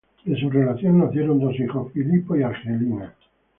De su relación nacieron dos hijos: Filippo y Angelina.